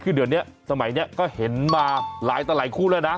คือเดี๋ยวนี้สมัยนี้ก็เห็นมาหลายต่อหลายคู่แล้วนะ